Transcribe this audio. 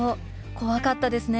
怖かったですね。